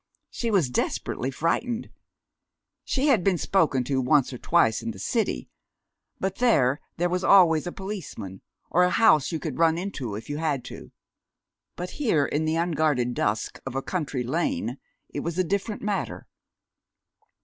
She was desperately frightened. She had been spoken to once or twice in the city, but there there was always a policeman, or a house you could run into if you had to. But here, in the unguarded dusk of a country lane, it was a different matter.